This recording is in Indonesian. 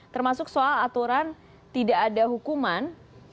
termasuk soal aturan tidak ada hukuman